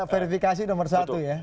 verifikasi nomor satu ya